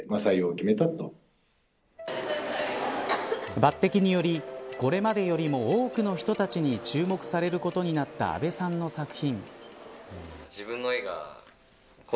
抜てきによりこれまでよりも多くの人たちに注目されることになった阿部さんの作品。